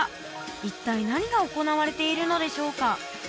一体何が行われているのでしょうか？